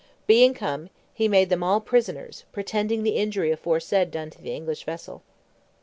Being come, he made them all prisoners, pretending the injury aforesaid done to the English vessel.